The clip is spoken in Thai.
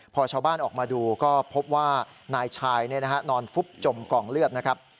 พอชาวบ้านออกมาดูก็พบว่านายชายนอนฟุบจมกองเลือดนะครับ